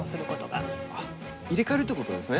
入れ替えるってことですね？